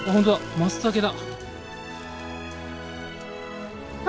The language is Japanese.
マツタケだ。